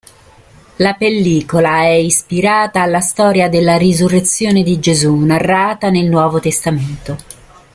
La pellicola è ispirata alla storia della risurrezione di Gesù narrata nel Nuovo Testamento.